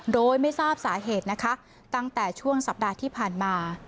โดยไม่ทราบสาเหตุนะคะตั้งแต่ช่วงสัปดาห์ที่ผ่านมา